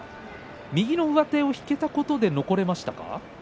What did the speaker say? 右の上手を引けたことで残れましたか？